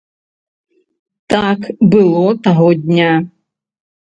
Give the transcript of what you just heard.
Так было таго дня.